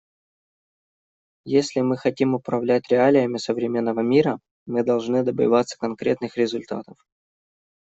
Если мы хотим управлять реалиями современного мира, мы должны добиваться конкретных результатов.